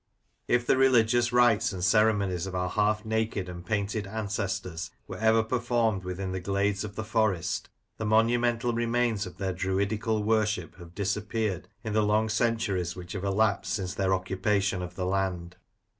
If the religious rites and ceremonies of our half naked and painted ancestors were ever performed within the glades of the Forest, the monumental remains of their druidical worship have disappeared in the long centuries which have elapsed since their occupation of the land.